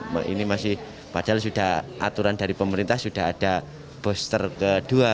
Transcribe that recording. padahal aturan dari pemerintah sudah ada booster kedua